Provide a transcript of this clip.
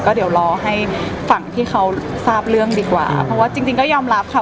เดี๋ยวรอให้ฝั่งที่เขาทราบเรื่องดีกว่าเพราะว่าจริงจริงก็ยอมรับค่ะ